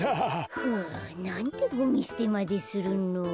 ふうなんでゴミすてまでするの。